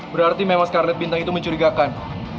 berarti memang scarlet bintang itu mencurigakan